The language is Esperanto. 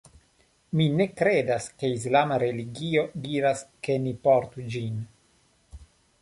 Mi ne kredas ke islama religio diras ke ni portu ĝin.